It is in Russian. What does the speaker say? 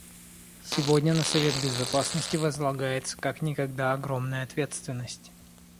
Сегодня на Совет Безопасности возлагается как никогда огромная ответственность.